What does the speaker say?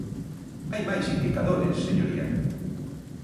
Hai máis indicadores, señoría.